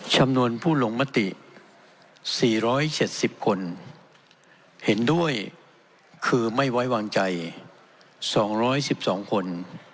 จำนวนผู้ลงมติ๔๗๐คนเห็นด้วยคือไม่ไว้วางใจ๒๑๒คน